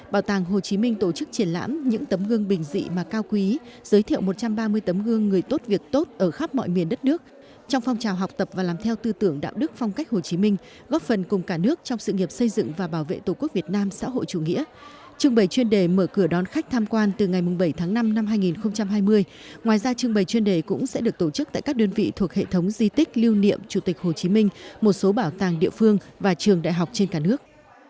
bảo tàng hồ chí minh những nét phát họa chân dung và triển lãm những tấm gương bình dị mà cao quý